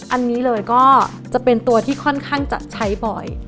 อันนี้เลยก็จะเป็นตัวที่ค่อนข้างจะใช้บ่อย